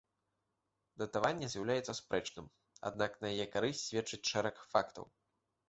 Датаванне з'яўляецца спрэчным, аднак на яе карысць сведчыць шэраг фактаў.